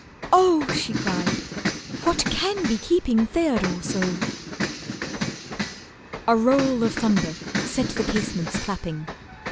"Oh!" She cried. "What can be keeping Theodore so!" A roll of thunder set the casements clapping.